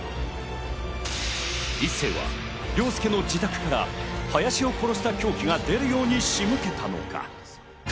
一星は、凌介の自宅から林を殺した凶器が出るように仕向けたのか？